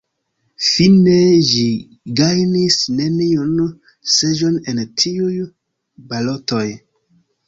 Fine ĝi gajnis neniun seĝon en tiuj balotoj.